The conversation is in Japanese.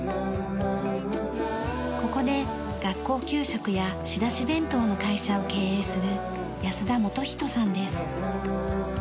ここで学校給食や仕出し弁当の会社を経営する安田幹仁さんです。